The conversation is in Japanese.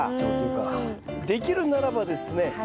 できるならばですね